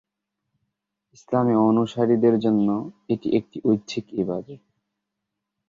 ইসলামে অনুসারীদের জন্যে এটি একটি ঐচ্ছিক ইবাদত।